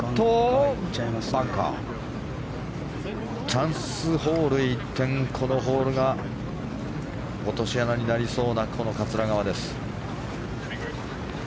チャンスホール一転このホールが落とし穴になりそうな桂川です。